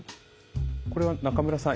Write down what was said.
これは中村さん